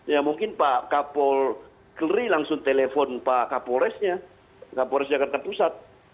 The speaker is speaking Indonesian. ya mungkin pak kapol keri langsung telepon pak kapolresnya kapolres jakarta pusat